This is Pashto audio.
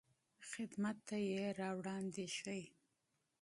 خدمت ته یې راوړاندې شئ.